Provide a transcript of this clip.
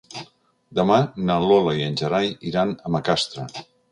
Demà na Lola i en Gerai iran a Macastre.